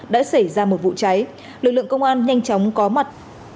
đã xảy ra một vụ cháy lực lượng công an nhanh chóng có mặt